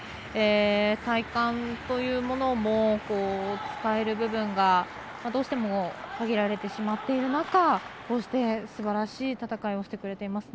体幹というものも使える部分がどうしても限られてしまっている中こうしてすばらしい戦いをしてくれていますね。